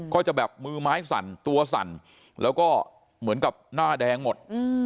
ก็จะแบบมือไม้สั่นตัวสั่นแล้วก็เหมือนกับหน้าแดงหมด